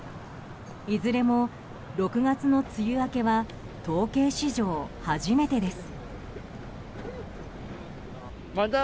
いずれも６月の梅雨明けは統計史上初めてです。